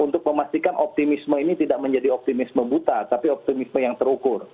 untuk memastikan optimisme ini tidak menjadi optimisme buta tapi optimisme yang terukur